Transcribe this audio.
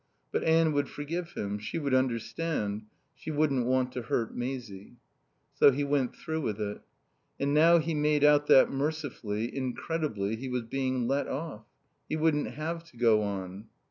But Anne would forgive him; she would understand; she wouldn't want to hurt Maisie. So he went through with it. And now he made out that mercifully, incredibly, he was being let off. He wouldn't have to go on.